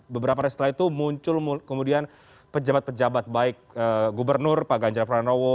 beberapa hari setelah itu muncul kemudian pejabat pejabat baik gubernur pak ganjar pranowo